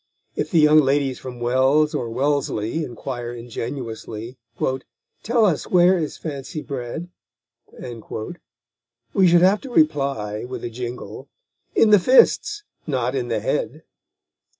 If the young ladies from Wells or Wellesley inquire ingenuously, "Tell us where is Fancy bred?" we should have to reply, with a jingle, In the fists, not in the head.